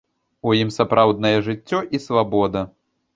У ім сапраўднае жыццё і свабода.